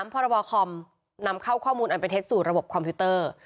พรบคอมนำเข้าข้อมูลอันเป็นเท็จสู่ระบบคอมพิวเตอร์